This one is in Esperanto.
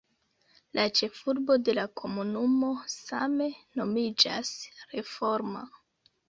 La ĉefurbo de la komunumo same nomiĝas Reforma.